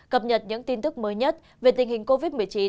cập nhật những tin tức mới nhất về tình hình covid một mươi chín